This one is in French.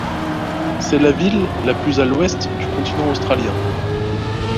C'est la ville la plus à l'ouest du continent australien.